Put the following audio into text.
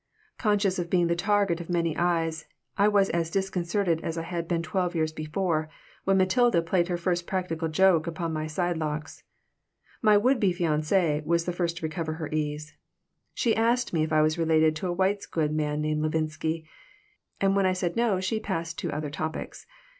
Conscious of being the target of many eyes, I was as disconcerted as I had been twelve years before, when Matilda played her first practical joke upon my sidelocks. My would be fiancée was the first to recover her ease. She asked me if I was related to a white goods man named Levinsky, and when I said no she passed to other topics.